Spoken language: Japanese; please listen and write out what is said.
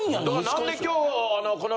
何で今日。